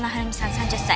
３０歳。